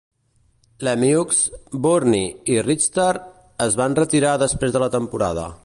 Lemieux, Burnie i Richter es van retirar després de la temporada.